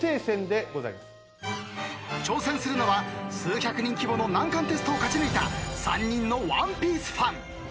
［挑戦するのは数百人規模の難関テストを勝ち抜いた３人の『ワンピース』ファン］